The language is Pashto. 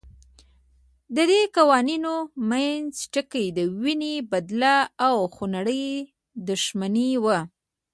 ددې قوانینو منځ ټکی د وینې بدله او خونړۍ دښمني وه.